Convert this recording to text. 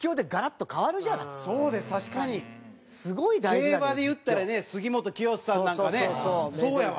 競馬で言ったらね杉本清さんなんかねそうやわ。